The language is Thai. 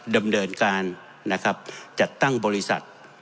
ดำเนินการจัดตั้งบริษัท